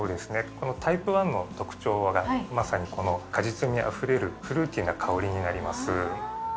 このタイプ１の特徴が、まさにこの果実味あふれる、フルーティーな香りになります。